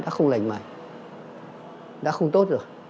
đã không tốt được